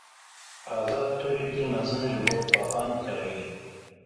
Azad tûrekî mezin ji bo petatan kirî.